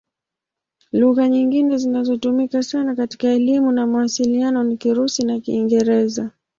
Lugha nyingine zinazotumika sana katika elimu na mawasiliano ni Kirusi na Kiingereza.